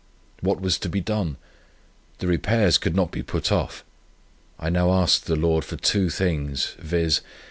What was to be done? The repairs could not be put off. I now asked the Lord for two things, viz.